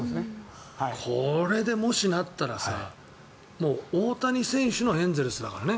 これで、もしなったらさ大谷選手のエンゼルスだからね。